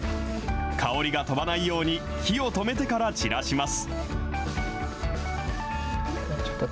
香りが飛ばないように、火を止めてから散らします。